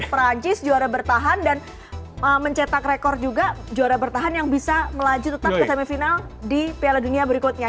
perancis juara bertahan dan mencetak rekor juga juara bertahan yang bisa melaju tetap ke semifinal di piala dunia berikutnya